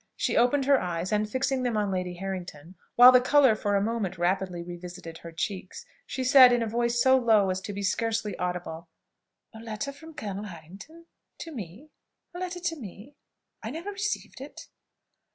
She opened her eyes, and fixing them on Lady Harrington, while the colour for a moment rapidly revisited her cheeks, she said, in a voice so low as to be scarcely audible, "A letter from Colonel Harrington? To me? A letter to me? I never received it."